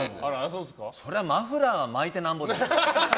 それはマフラーは巻いてなんぼですよ。